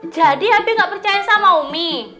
jadi abi gak percaya sama umi